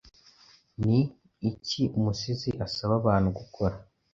Ni iki umusizi asaba abantu gukora?